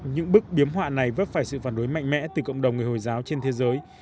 những bức biếm họa này vấp phải sự phản đối mạnh mẽ từ cộng đồng người hồi giáo trên thế giới